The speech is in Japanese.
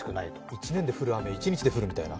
１年で降る雨が１日で降るみたいな。